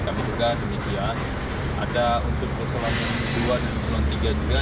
ada untuk keselamatan kebuan keselamatan ke tiga juga